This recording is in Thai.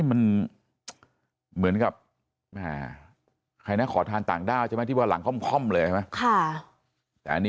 มันเหมือนกับใช่ไหนขอทานต่างด้าวชอบหลังคล่อข้อมาเลยแต่นี้